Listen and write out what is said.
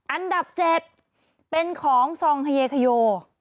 อันดับ๗เป็นของซองเฮคโย